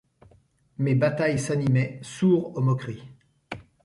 Mais Bataille s’animait, sourd aux moqueries.